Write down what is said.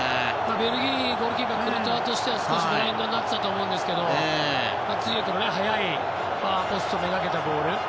ベルギーゴールキーパーのクルトワとしては少しブラインド気味になってたと思うんですけどツィエクの速いファーポストをめがけたボール。